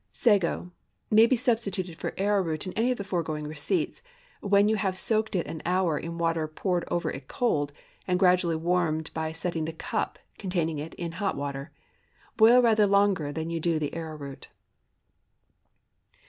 SAGO May be substituted for arrowroot in any of the foregoing receipts, when you have soaked it an hour in water poured over it cold, and gradually warmed by setting the cup containing it in hot water. Boil rather longer than you do the arrowroot.